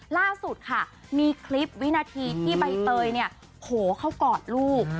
ล่าสุดค่ะมีคลิปวินาทีที่ใบเตยเนี่ยโผล่เข้ากอดลูก